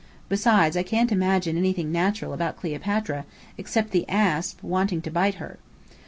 Besides, I can't imagine anything natural about Cleopatra, except the asp wanting to bite her!"